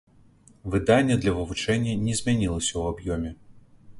Выданне для вывучэння не змянілася ў аб'ёме.